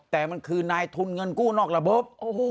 แต่มันคือนายทุนเงินกู้นอกระบบ